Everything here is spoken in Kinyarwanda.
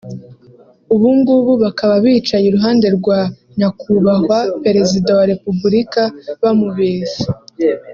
ubungubu bakaba bicaye iruhande rwa Nyakubahwa perezida wa repubulika bamubeshya